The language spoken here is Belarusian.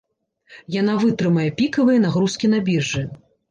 Яна вытрымае пікавыя нагрузкі на біржы.